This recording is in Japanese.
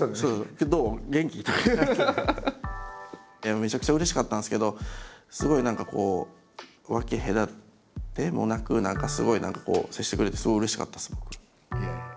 めちゃくちゃうれしかったんですけどすごい何かこう分け隔てもなくすごい何かこう接してくれてすごいうれしかったです僕。